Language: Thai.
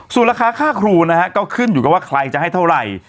ส่วนราคาค่าครูนะฮะก็ขึ้นอยู่กับว่าใครจะให้เท่าไหร่